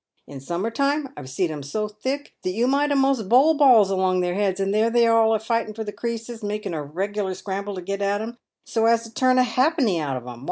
In summer time I've seed 'em so thick that you might a'most bowl balls along their heads, and there they are all a fighting for the creases, making a reg'lar scramble to get at 'em, so as to turn a halfpenny out of 'em.